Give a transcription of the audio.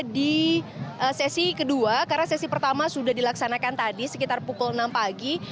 di sesi kedua karena sesi pertama sudah dilaksanakan tadi sekitar pukul enam pagi